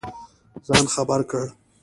ځان خبر کړ.